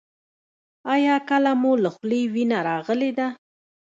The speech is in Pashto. ایا کله مو له خولې وینه راغلې ده؟